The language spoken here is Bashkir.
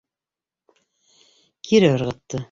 Кире ырғытты.